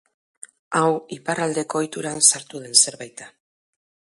Hau Iparraldeko ohituran sartu den zerbait da.